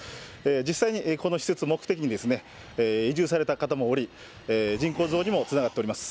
実際に、この施設目的に、移住された方もおり、人口増にもつながっております。